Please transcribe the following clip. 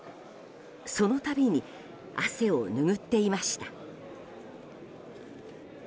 その度に汗をぬぐっていました。